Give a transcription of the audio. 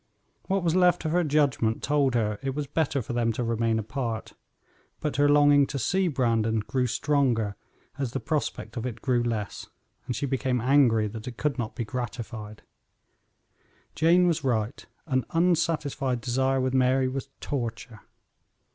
What was left of her judgment told her it was better for them to remain apart, but her longing to see Brandon grew stronger as the prospect of it grew less, and she became angry that it could not be gratified. Jane was right; an unsatisfied desire with Mary was torture.